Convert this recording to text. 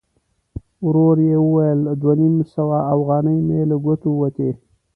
ورو يې وویل: دوه نيم سوه اوغانۍ مې له ګوتو ووتې!